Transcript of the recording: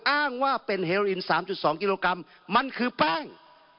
อ้างว่าเป็นเฮริน๓๒กิโลกรัมมันคือแป้ง